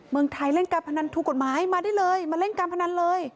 เมืองไทยเล่นการพนันถูกกฎหมายมาได้เลยมาเล่นการพนันเลย